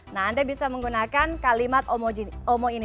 nah anda bisa menggunakan kalimat omo ini